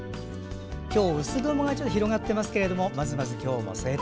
薄曇がちょっと広がっていますけどもまずまず今日も晴天。